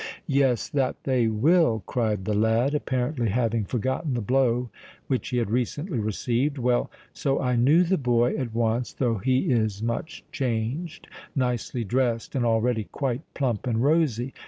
"Yes—that they will!" cried the lad, apparently having forgotten the blow which he had recently received. "Well, so I knew the boy at once, though he is much changed—nicely dressed, and already quite plump and rosy.